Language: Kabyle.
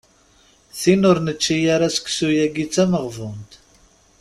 Tin ur nečči ara seksu-yagi d tameɣbunt.